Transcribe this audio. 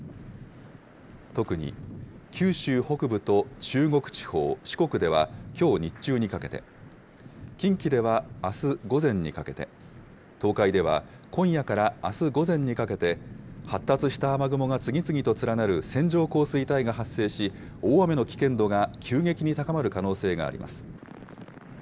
特に九州北部と中国地方、四国ではきょう日中にかけて、近畿ではあす午前にかけて、東海では今夜からあす午前にかけて、発達した雨雲が次々と連なる線状降水帯が発生し、大雨の危険度が急激に高まる可能性があります。